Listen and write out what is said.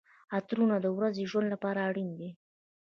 عطرونه د ورځني ژوند لپاره اړین دي.